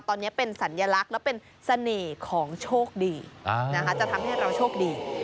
ตอนนี้เป็นสัญลักษณ์และเป็นเสน่ห์ของโชคดีจะทำให้เราโชคดี